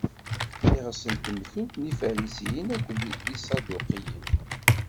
Iɣes n temtunt n Ifarisiyen akked Iṣaduqiyen.